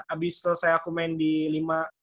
abis selesai aku main di lima